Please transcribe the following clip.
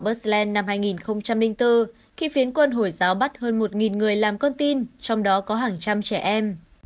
bersland năm hai nghìn bốn khi phiến quân hồi giáo bắt hơn một người làm con tin trong đó có hàng trăm trẻ em